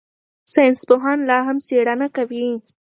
ساینسپوهان لا هم څېړنه کوي.